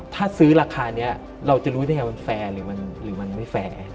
ถ้าซื้อราคานี้เราจะรู้ได้ไงมันแฟร์หรือมันไม่แฟร์ไง